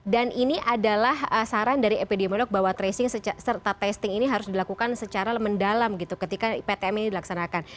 dan ini adalah saran dari epidemiolog bahwa tracing serta testing ini harus dilakukan secara mendalam ketika ptm ini dilaksanakan